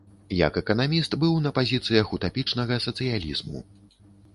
Як эканаміст быў на пазіцыях утапічнага сацыялізму.